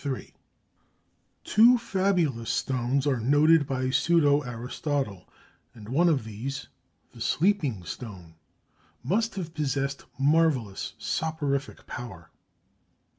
Two fabulous stones are noted by pseudo Aristotle, and one of these, the "sleeping stone," must have possessed marvellous soporific power.